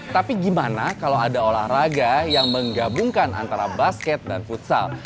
tapi gimana kalau ada olahraga yang menggabungkan antara basket dan futsal